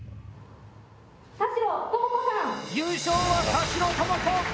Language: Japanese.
優勝は、田代朋子！